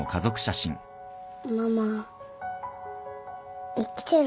ママ生きてるの？